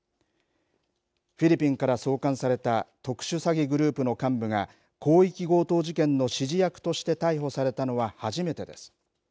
フィリピンから送還された特殊詐欺グループの幹部が広域強盗事件の指示役として逮捕されたのは初めてです。